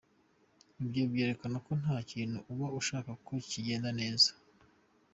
Ibyo byerekana ko nta kintu uba ushaka ko kigenda neza.